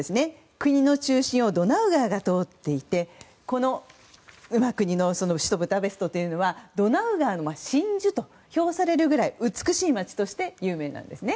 国の中心をドナウ川が通っていて首都ブダペストはドナウ川の真珠と評されるくらい美しい街として有名なんです。